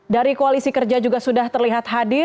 dari koalisi kerja juga sudah terlihat hadir